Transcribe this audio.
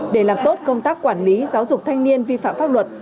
để làm tốt công tác quản lý giáo dục thanh niên vi phạm pháp luật